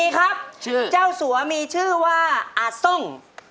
ครับเจ้าสัวมีชื่อว่าอ่าส้ง